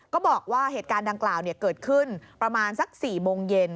ก็บอกว่าเหตุการณ์ดังกล่าวเกิดขึ้นประมาณสัก๔โมงเย็น